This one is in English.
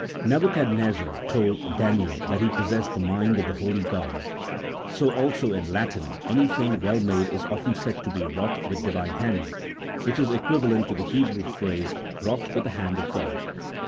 Nebuchadnezzar told Daniel that he possessed the mind of the holy gods ; so also in Latin anything well made is often said to be wrought with Divine hands, which is equivalent to the Hebrew phrase, wrought with the hand of God.